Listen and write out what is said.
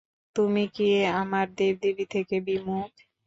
তুমি কি আমার দেব-দেবী থেকে বিমুখ?